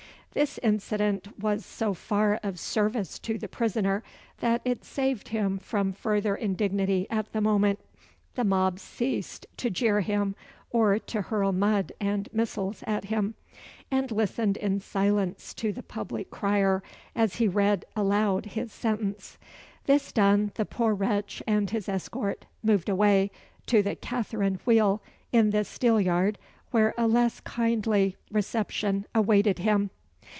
This incident was so far of service to the prisoner, that it saved him from further indignity at the moment. The mob ceased to jeer him, or to hurl mud and missiles at him, and listened in silence to the public crier as he read aloud his sentence. This done, the poor wretch and his escort moved away to the Catherine Wheel, in the Steelyard, where a less kindly reception awaited him.